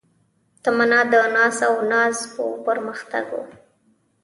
تمنا د ناز او تاز و پرمختګ و